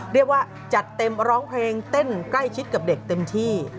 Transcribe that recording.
เรียกว่าจัดเต็มร้องเพลงเต้นใกล้ชิดกับเด็กเต็มที่